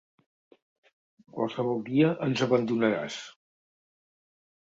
Qualsevol dia ens abandonaràs!